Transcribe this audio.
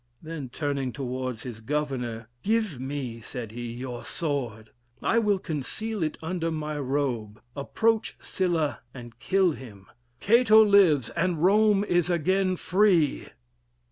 Then, turning towards his governor, 'Give me,' said he, 'your sword; I will conceal it under my robe, approach Sylla, and kill him. Cato lives, and Rome is again free.'